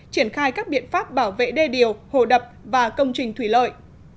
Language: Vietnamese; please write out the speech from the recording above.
triển khai các biện pháp bảo vệ đê điều hồ đập và công trình thủy lợi